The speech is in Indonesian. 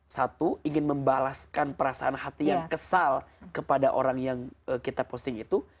satu ingin membalaskan perasaan hati yang kesal kepada orang yang kita posting itu